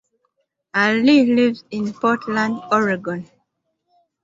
Allie lives in Portland, Oregon.